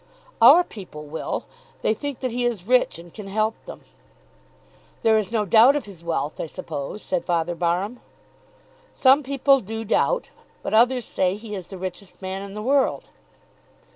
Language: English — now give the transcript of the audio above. "Our people will. They think that he is rich and can help them." "There is no doubt of his wealth, I suppose," said Father Barham. "Some people do doubt; but others say he is the richest man in the world."